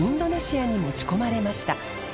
轡△持ち込まれました